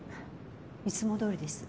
いつもどおりです。